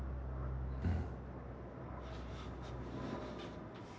うん。